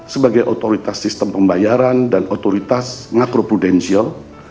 sebagai otoritas sistem pembayaran dan otoritas makro prudensial